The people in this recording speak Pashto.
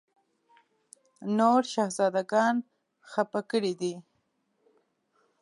نور شهزاده ګان خپه کړي دي.